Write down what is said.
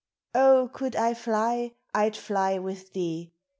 O, could I fly, I ? d fly with thee